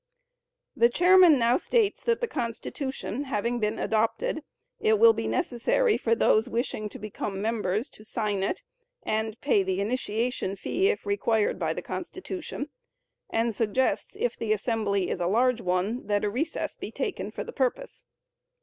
The chairman now states that the Constitution having been adopted, it will be necessary for those wishing to become members to sign it (and pay the initiation fee, if required by the Constitution), and suggests, if the assembly is a large one, that a recess be taken for the purpose.